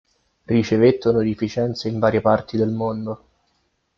Ricevette onorificenze in varie parti del mondo.